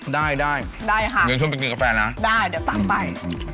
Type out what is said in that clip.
ได้ได้ค่ะเงินช่วยไปกินกาแฟนะได้เดี๋ยวตามไป